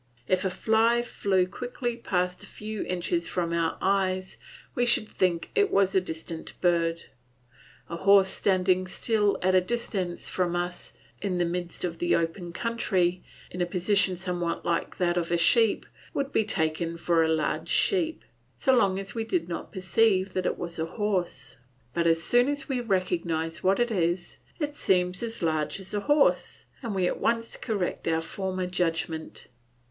If a fly flew quickly past a few inches from our eyes, we should think it was a distant bird; a horse standing still at a distance from us in the midst of open country, in a position somewhat like that of a sheep, would be taken for a large sheep, so long as we did not perceive that it was a horse; but as soon as we recognise what it is, it seems as large as a horse, and we at once correct our former judgment.